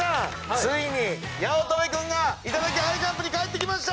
ついに八乙女君が『いただきハイジャンプ』に帰ってきました！